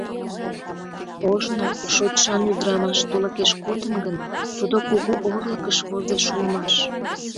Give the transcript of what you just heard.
Ожно шочшан ӱдырамаш тулыкеш кодын гын, тудо кугу орлыкыш возеш улмаш.